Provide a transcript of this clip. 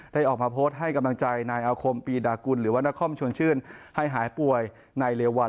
ออกมาโพสต์ให้กำลังใจนายอาคมปีดากุลหรือว่านครชวนชื่นให้หายป่วยในเร็ววัน